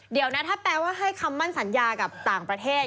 เดี๋ยวนะถ้าแปลว่าให้คำมั่นสัญญากับต่างประเทศ